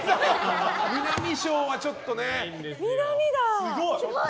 南賞はちょっとね。